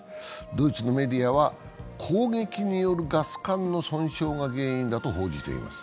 ドイツのメディアは、攻撃によるガス管の損傷が原因だと報じています。